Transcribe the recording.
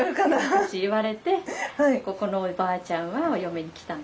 昔言われてここのおばあちゃんはお嫁に来たの。